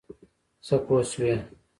څه پوه شوې.